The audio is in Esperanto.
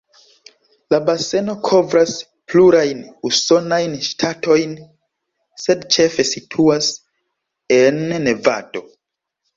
La baseno kovras plurajn usonajn ŝtatojn, sed ĉefe situas en Nevado.